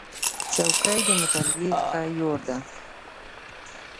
چوکۍ د مطالعې ښه یار دی.